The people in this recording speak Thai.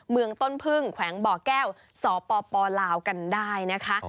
เมืองต้นพึ่งแขวงบ่อแก้วสปลาวกันได้นะคะ